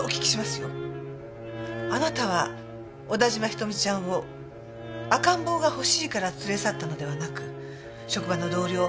あなたは小田嶋瞳ちゃんを赤ん坊が欲しいから連れ去ったのではなく職場の同僚